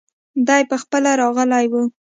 دی پخپله راغلی وو.